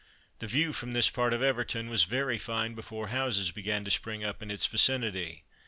The view from this part of Everton was very fine before houses began to spring up in its vicinity.